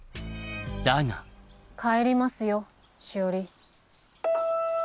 だが帰りますよしおり。